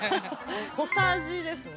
小さじですね。